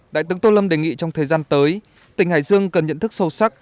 đại tướng tô lâm đề nghị trong thời gian tới tỉnh hải dương cần nhận thức sâu sắc